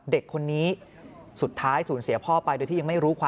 เด็กคนนี้สุดท้ายสูญเสียพ่อไปโดยที่ยังไม่รู้ความ